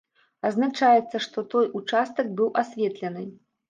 Адзначаецца, што той участак быў асветлены.